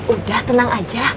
udah tenang aja